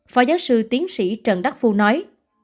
phó giáo sư tiến sĩ trần đắc phu nói